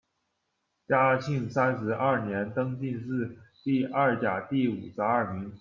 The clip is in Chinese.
嘉靖三十二年，登进士第二甲第五十二名。